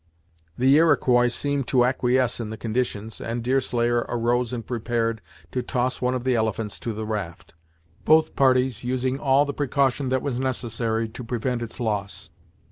The Iroquois seemed to acquiesce in the conditions, and Deerslayer arose and prepared to toss one of the elephants to the raft, both parties using all the precaution that was necessary to prevent its loss.